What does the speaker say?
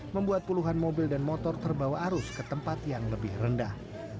membuat puluhan mobil dan motor terbawa arus ke tempat yang lebih rendah